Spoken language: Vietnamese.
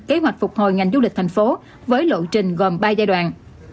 kế hoạch phục hồi ngành du lịch thành phố với lộ trình gồm ba giai đoạn